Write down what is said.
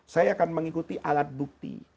saya akan mengikuti alat bukti